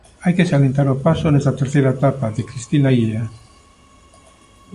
Hai que salientar o paso, nesta terceira etapa, de Cristina Illa.